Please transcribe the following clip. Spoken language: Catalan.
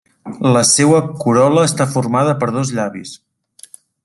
La seua corol·la està formada per dos llavis.